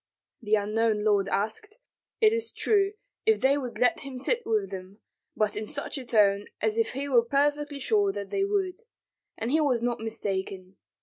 The unknown lord asked, it is true, if they would let him sit with them, but in such a tone as if he were perfectly sure that they would; and he was not mistaken.